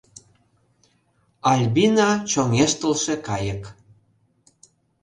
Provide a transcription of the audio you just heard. Альбина чоҥештылше кайык...